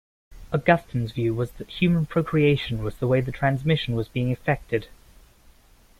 Augustine's view was that human procreation was the way the transmission was being effected.